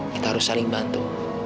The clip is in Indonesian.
kita harus saling bantu